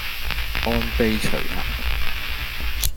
按轡徐行